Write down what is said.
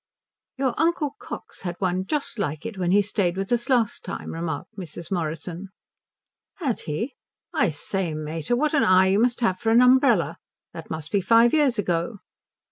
"Your Uncle Cox had one just like it when he stayed with us last time," remarked Mrs. Morrison. "Had he? I say, mater, what an eye you must have for an umbrella. That must be five years ago."